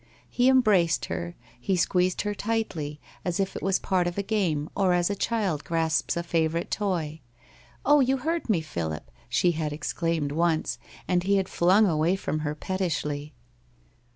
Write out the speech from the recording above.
He embraced her — he squeezed her tightly, as if it was part of a game, or as a child gra ps a favourite toy. * Oh, you hurt me, Philip! ' she had exclaimed once, and he had flung away from her pettishly.